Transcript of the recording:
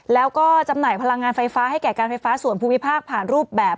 แล้วก็จำหน่ายพลังงานไฟฟ้าให้แก่การไฟฟ้าส่วนภูมิภาคผ่านรูปแบบ